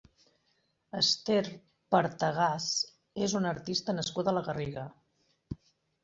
Ester Partegàs és una artista nascuda a la Garriga.